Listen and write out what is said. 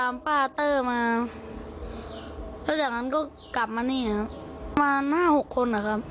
มา๕๖คนเหรอครับ